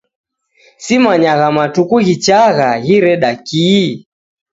Simanyagha matuku ghichagha ghireda kihi?